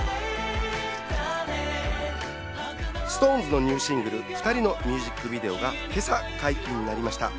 ＳｉｘＴＯＮＥＳのニューシングル『ふたり』のミュージックビデオが今朝解禁になりました。